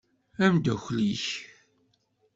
Amdakel-ik.